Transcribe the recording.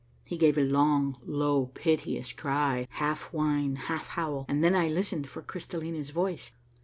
He gave a long, low, piteous cry, half whine, half howl, and then I listened for Crvstallina's voice.